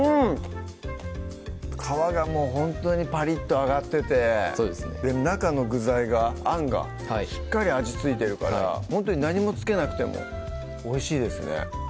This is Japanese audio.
皮がもうほんとにパリッと揚がってて中の具材があんがしっかり味付いてるからほんとに何も付けなくてもおいしいですね